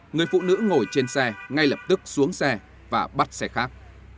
người phụ nữ ngồi trên xe ngay lập tức xuống xe và bắt xe khác